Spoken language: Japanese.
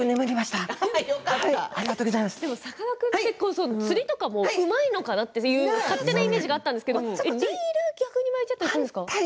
さかなクンは釣りがうまいのかなと勝手なイメージがあったんですけどリールを逆に巻いちゃったりするんですか？